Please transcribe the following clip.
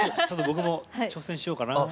ちょっと僕も挑戦しようかな。